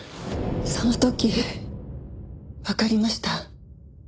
その時わかりました。